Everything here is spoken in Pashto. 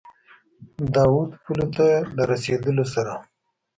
د اود پولو ته له رسېدلو سره.